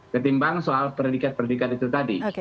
ketimbang soal perlilikat perlilikat itu tadi